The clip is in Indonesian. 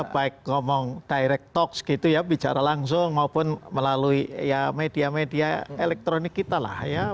baik ngomong direct talks gitu ya bicara langsung maupun melalui ya media media elektronik kita lah ya